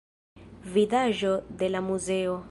Vidaĵo de la muzeo.